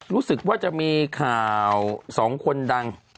รู้สึกว่าจะมีข่าวสองคนดัง